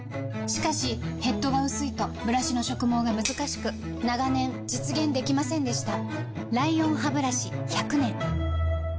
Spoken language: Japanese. しかしヘッドが薄いとブラシの植毛がむずかしく長年実現できませんでした